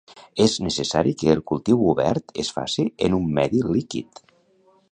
És necessari que el cultiu obert es faci en un medi líquid.